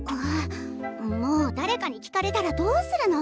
もう誰かに聞かれたらどうするの！